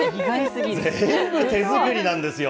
全部手作りなんですよ。